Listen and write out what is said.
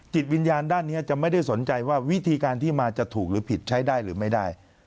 จิตวิญญาณด้านนี้จะไม่ได้สนใจว่าวิธีการที่มาจะถูกหรือผิดใช้ได้หรือไม่ได้